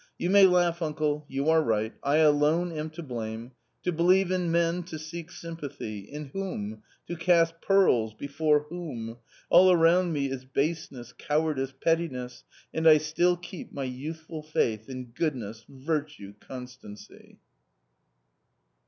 " You may laugh, uncle ; you are right ; I alone am to blame. To believe in men — to seek sympathy — in whom ? to cast pearls — I before whom ? All around me is baseness, cowardice, * pettiness, and I still kept my youthful faith in goodness, I virtue, constancy."